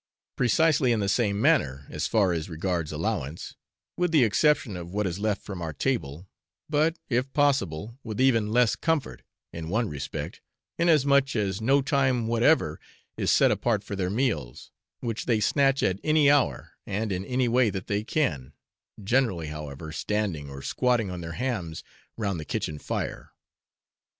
Precisely in the same manner, as far as regards allowance, with the exception of what is left from our table, but, if possible, with even less comfort, in one respect, inasmuch as no time whatever is set apart for their meals, which they snatch at any hour, and in any way that they can generally, however, standing, or squatting on their hams round the kitchen fire.